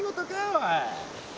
おい。